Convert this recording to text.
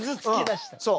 そう。